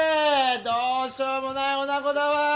どうしようもないおなごだわ。